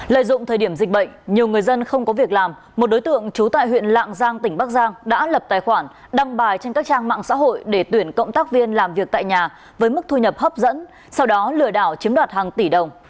lợi dụng thời điểm dịch bệnh nhiều người dân không có việc làm một đối tượng trú tại huyện lạng giang tỉnh bắc giang đã lập tài khoản đăng bài trên các trang mạng xã hội để tuyển cộng tác viên làm việc tại nhà với mức thu nhập hấp dẫn sau đó lừa đảo chiếm đoạt hàng tỷ đồng